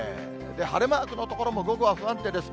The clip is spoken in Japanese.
晴れマークの所も、午後は不安定です。